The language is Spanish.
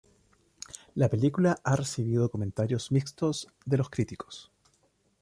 La película ha recibido comentarios mixtos de los críticos.